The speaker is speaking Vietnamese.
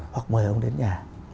hoặc mời ông ấy đến nhà